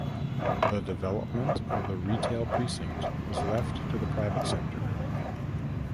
The development of the Retail Precinct was left to the private sector.